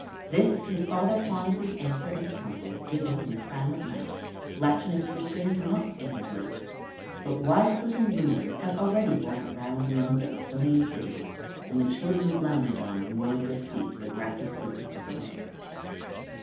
This his father Faunus' answer and counsel given in the silent night Latinus restrains not in his lips; but wide flitting Rumour had already borne it round among the Ausonian cities, when the children of Laomedon moored their fleet to the grassy slope of the river bank.